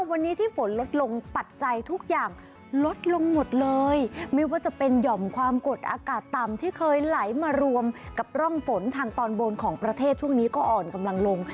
วันนี้ที่ฝนลดลงปัจจัยทุกอย่างลดลงหมดเลยไม่ว่าจะเป็นหย่อมความกดอากาศต่ำที่เคยไหลมารวมกับร่องฝนทางตอนบนของประเทศช่วงนี้ก็อ่อนกำลังลง